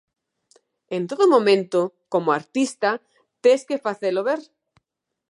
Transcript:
En todo momento, como artista, tes que facelo ver.